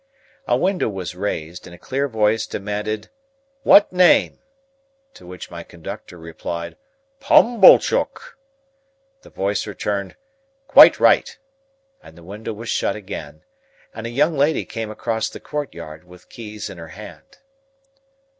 A window was raised, and a clear voice demanded "What name?" To which my conductor replied, "Pumblechook." The voice returned, "Quite right," and the window was shut again, and a young lady came across the court yard, with keys in her hand.